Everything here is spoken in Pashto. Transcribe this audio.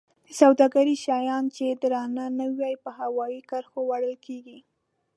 د سوداګرۍ شیان چې درانه نه وي په هوایي کرښو وړل کیږي.